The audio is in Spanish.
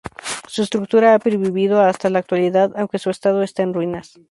Su estructura ha pervivido hasta la actualidad, aunque su estado está en ruinas.